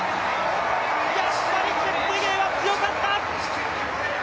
やっぱりチェプテゲイは強かった！